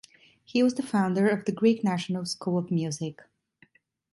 He was the founder of the Greek National School of Music.